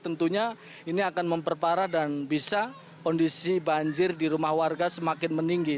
tentunya ini akan memperparah dan bisa kondisi banjir di rumah warga semakin meninggi